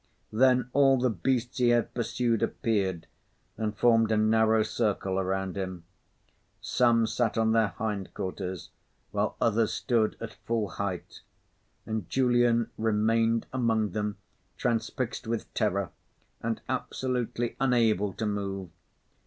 Then all the beasts he had pursued appeared, and formed a narrow circle around him. Some sat on their hindquarters, while others stood at full height. And Julian remained among them, transfixed with terror and absolutely unable to move.